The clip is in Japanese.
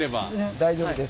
大丈夫です。